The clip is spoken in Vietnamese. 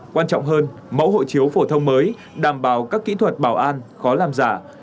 quan trọng hơn mẫu hộ chiếu phổ thông mới đảm bảo các kỹ thuật bảo an khó làm giả